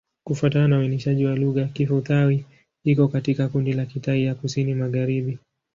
Kufuatana na uainishaji wa lugha, Kiphu-Thai iko katika kundi la Kitai ya Kusini-Magharibi.